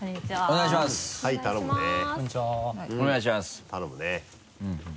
お願いします。